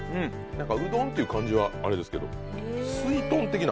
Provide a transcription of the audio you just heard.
うどんっていう感じはあれですけど、すいとん的な。